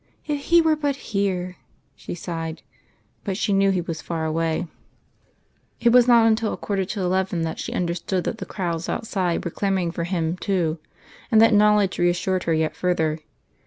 "If He were but here!" she sighed. But she knew He was far away. It was not until a quarter to eleven that she understood that the crowds outside were clamouring for Him too, and that knowledge reassured her yet further.